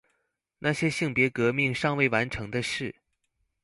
那些性別革命尚未完成的事